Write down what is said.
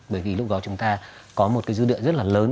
bởi vì lúc đó chúng ta có một cái dư địa rất là lớn